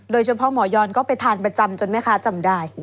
โดยเฉพาะหมอยอนก็ไปทานประจำจนแม่ค้าจำได้